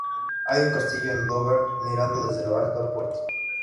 Hay un castillo en Dover, mirando desde lo alto al puerto.